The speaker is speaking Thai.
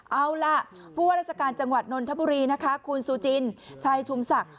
เอาล่ะผู้ว่าราชการจังหวัดนนทบุรีนะคะคุณซูจินชัยชุมศักดิ